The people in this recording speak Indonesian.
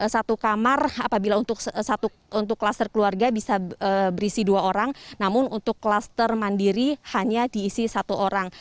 satu kamar apabila untuk kluster keluarga bisa berisi dua orang namun untuk kluster mandiri hanya diisi satu orang